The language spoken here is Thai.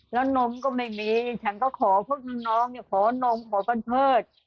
แล้วนมก็ไม่มีฉันก็ขอพวกน้องขอนมขอบันเชิด